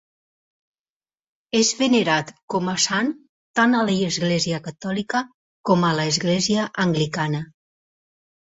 És venerat com a sant tant a l'Església Catòlica com a l'Església Anglicana.